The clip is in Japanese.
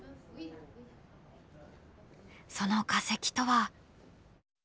その化石とは。